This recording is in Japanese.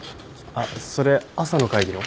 あっそれ朝の会議の？